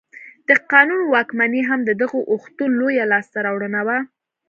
د قانون واکمني هم د دغه اوښتون لویه لاسته راوړنه وه.